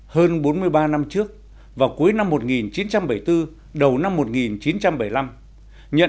hơn bốn mươi ba năm trước vào cuối năm một nghìn chín trăm bảy mươi bốn đầu năm một nghìn chín trăm bảy mươi năm nhận